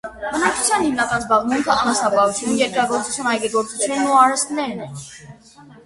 Բնակչության հիմնական զբաղմունքը անասնապահություն, երկրագործություն, այգեգործությունն ու արհեստներն էր։